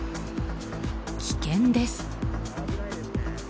危険です。